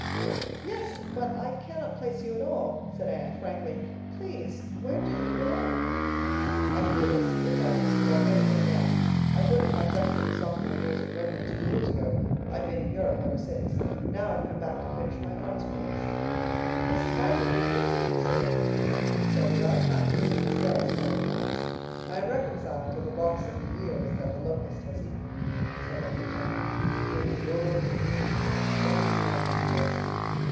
"Yes; but I cannot place you at all," said Anne, frankly. "Please, where do you belong?" "I feel as if I didn't belong anywhere yet. I put in my Freshman and Sophomore years at Redmond two years ago. I've been in Europe ever since. Now I've come back to finish my Arts course." "This is my Junior year, too," said Anne. "So we are classmates as well as collegemates. I am reconciled to the loss of the years that the locust has eaten," said her companion, with a world of meaning in those wonderful eyes of his.